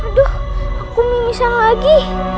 aduh aku mimisan lagi